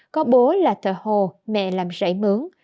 có bố là thợ hồ mẹ làm rảy mướn